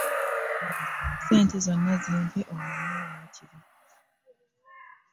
Ssente zonna zimpe ommanje waakiri.